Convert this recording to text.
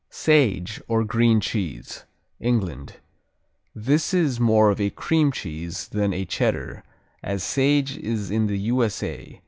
Sage, or Green cheese England This is more of a cream cheese, than a Cheddar, as Sage is in the U.S.A.